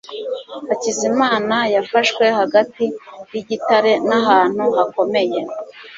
hakizimana yafashwe hagati yigitare n ahantu hakomeye